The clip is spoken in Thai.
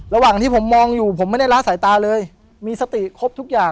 ระหว่างที่ผมมองอยู่ผมไม่ได้ล้าสายตาเลยมีสติครบทุกอย่าง